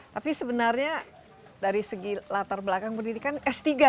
tapi sebenarnya dari segi latar belakang pendidikan s tiga